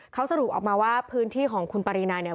เขาสรุปออกมาว่าพื้นที่ของคุณปรินาเนี่ย